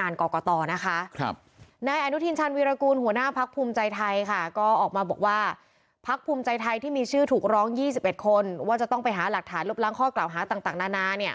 นายกรกตนะคะนายอนุทินชาญวีรกูลหัวหน้าพักภูมิใจไทยค่ะก็ออกมาบอกว่าพักภูมิใจไทยที่มีชื่อถูกร้อง๒๑คนว่าจะต้องไปหาหลักฐานลบล้างข้อกล่าวหาต่างนานาเนี่ย